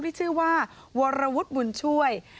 ที่ชื่อว่าวรวุฒิบุญช่วย